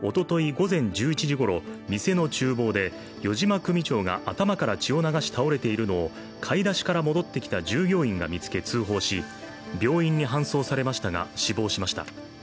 午前１１時ごろ店のちゅう房で余嶋組長が頭から血を流し倒れているのを買い出しから戻ってきた従業員が見つけ、通報し、病院に搬送されましたが死亡しました。